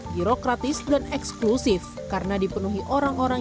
birokratis dan eksklusif karena dipenuhi orang orang